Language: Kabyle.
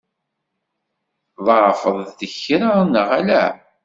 Tḍeɛfeḍ-d kra, neɣ ala?